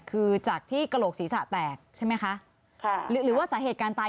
คือจากที่กระโหลกศีรษะแตกใช่ไหมคะค่ะหรือหรือว่าสาเหตุการณ์ตาย